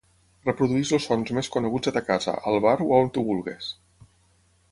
Reprodueix els sons més coneguts a ta casa, al bar o on tu vulgues.